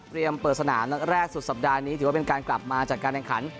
เปิดสนามนัดแรกสุดสัปดาห์นี้ถือว่าเป็นการกลับมาจากการแข่งขัน